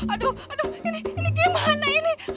aduh aduh ini gimana ini